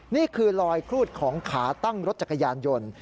นี่คือลอยครูดของขาตั้งรถจักรยานยนต์